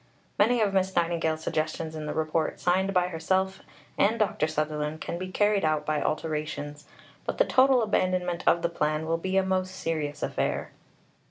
Many of Miss Nightingale's suggestions in the Report signed by herself and Dr. Sutherland can be carried out by alterations, but the total abandonment of the plan will be a most serious affair."